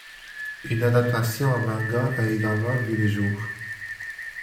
Une adaptation en manga a également vu le jour.